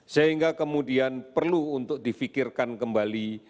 sehingga kemudian perlu untuk difikirkan kembali